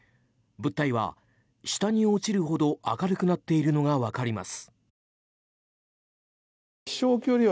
物体は下に落ちるほど明るくなっているのが分かります。